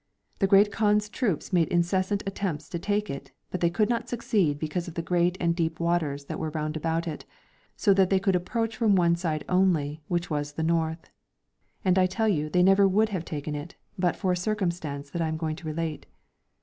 The Great Kaan's troops made incessant attempts to take it, but they could not succeed because of the great and deep waters that were round about it, so that they could approach from one side only, which was the north. And I tell you they never would have taken it, but for a circumstance that I am going to relate.